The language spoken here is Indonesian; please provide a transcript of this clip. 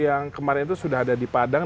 yang kemarin itu sudah ada di padang